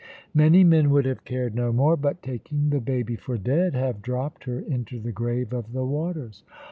Many men would have cared no more, but, taking the baby for dead, have dropped her into the grave of the waters.